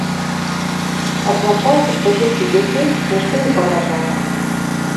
Адзначаецца, што жыццю дзяцей нішто не пагражае.